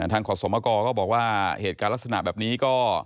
ขอสมกรก็บอกว่าเหตุการณ์ลักษณะแบบนี้ก็